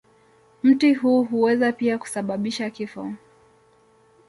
Mti huu huweza pia kusababisha kifo.